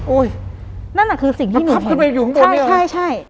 โอ้ยนั่นอะคือสิ่งที่หนูเห็นมันขับขึ้นไปอยู่ข้างบนเนี่ยใช่